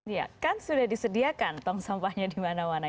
ya kan sudah disediakan tong sampahnya di mana mana